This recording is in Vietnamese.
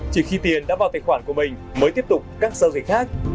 chỉ khi tiền đã vào tài khoản của mình mới tiếp tục các giao dịch khác